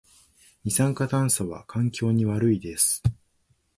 二酸化炭素は環境に悪いです